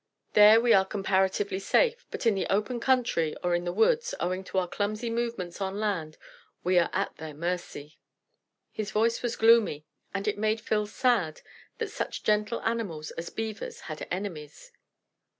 There we are comparatively safe, but in the open country or in the woods, owing to our clumsy movements on land, we are at their mercy." His voice was gloomy, and it made Phil sad to think that such gentle animals as beavers had enemies.